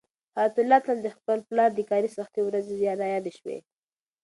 حیات الله ته د خپل پلار د کاري سختۍ ورځې رایادې شوې.